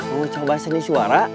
mau coba seni suara